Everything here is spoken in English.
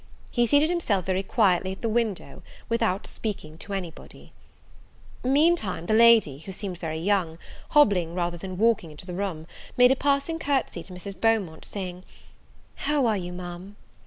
He seated himself very quietly at the window, without speaking to any body. Mean time the lady, who seemed very young, hobbling rather than walking into the room, made a passing courtsy to Mrs. Beaumont, saying, "How are you, Ma'am?"